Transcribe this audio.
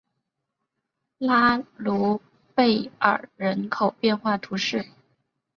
拉卢贝尔人口变化图示